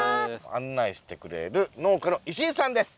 あんないしてくれる農家の石井さんです。